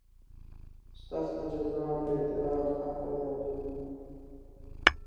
سخته جزا د اعتراض حق پیدا کوي.